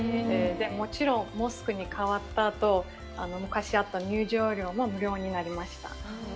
もちろん、モスクに変わったあと、昔あった入場料も無料になりました。